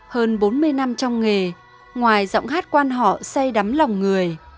hơn bốn mươi năm trong nghề ngoài giọng hát quan họ say đắm lòng người